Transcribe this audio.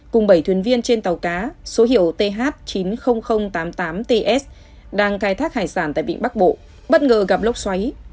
cùng bảy thuyền viên trên tàu cá số hiệu th chín mươi nghìn tám mươi tám ts đang khai thác hải sản tại vịnh bắc bộ bất ngờ gặp lốc xoáy